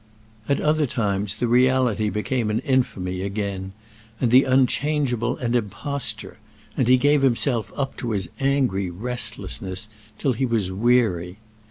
At other times the reality became an infamy again and the unchangeable an imposture, and he gave himself up to his angry restlessness till he was weary.